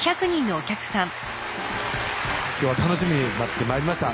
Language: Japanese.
今日は楽しみに待って参りました